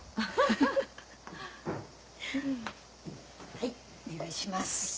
はいお願いします。